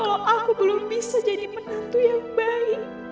maaf kalau aku belum bisa jadi penantu yang baik